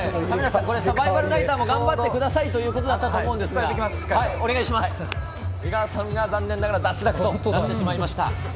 サバイバルナイターも頑張ってくださいということだったと思うんですが、江川さん、残念ながら脱落となってしまいました。